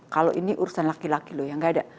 kalau ini urusan laki laki loh ya nggak ada